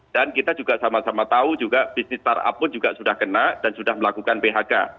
dan kita juga sama sama tahu juga bisnis startup pun juga sudah kena dan sudah melakukan phk